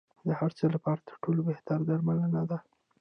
د هر څه لپاره تر ټولو بهتره درملنه ده.